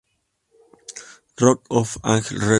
Rock Of Angels Records